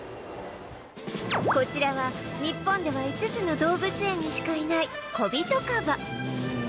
こちらは日本では５つの動物園にしかいないコビトカバ